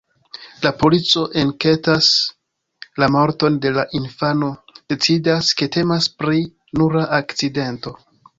La polico enketas la morton de la infano, decidas, ke temas pri nura akcidento.